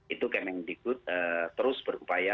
itu kemeng digut terus berupaya